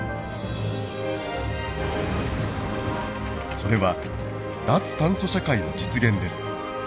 それは脱炭素社会の実現です。